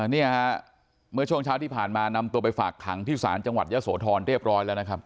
เนี่ยฮะเมื่อช่วงเช้าที่ผ่านมานำตัวไปฝากขังที่ศาลจังหวัดยะโสธรเรียบร้อยแล้วนะครับ